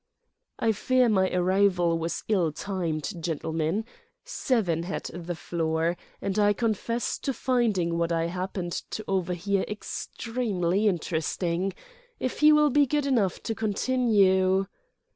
"I fear my arrival was ill timed, gentlemen. Seven had the floor, and I confess to finding what I happened to overhear extremely interesting. If he will be good enough to continue